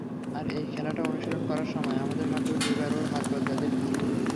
আর এই খেলাটার অনুশীলন করার সময় আমাদের মাত্র দুইবার ওর হাত বদলাতে হয়েছে।